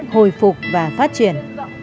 hồi phục và phát triển